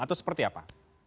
atau seperti apa